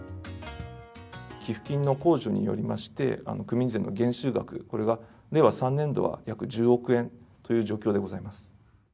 寄付金の控除によりまして、区民税の減収額、これが令和３年度は、約１０億円という状況でございます。